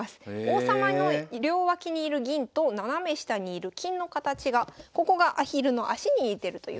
王様の両脇に居る銀と斜め下に居る金の形がここがアヒルの足に似てるということで。